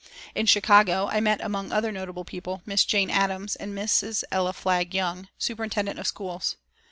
In Chicago, I met, among other notable people, Miss Jane Addams and Mrs. Ella Flagg Young, superintendent of schools.